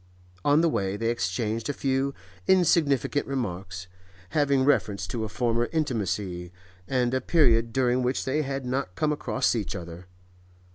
On the way they exchanged a few insignificant remarks, having reference to a former intimacy and a period during which they had not come across each other.